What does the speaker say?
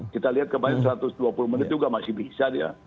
kita lihat kemarin satu ratus dua puluh menit juga masih bisa dia